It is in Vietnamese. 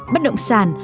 bất động sản